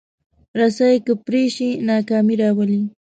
رسۍ که پرې شي، ناکامي راولي.